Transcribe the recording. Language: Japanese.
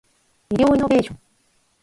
医療イノベーション